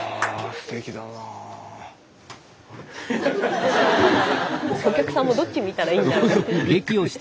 スタジオお客さんもどっち見たらいいんだろうって。